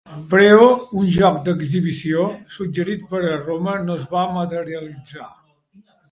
Preo un joc d'exhibició suggerit per a Roma no es va materialitzar.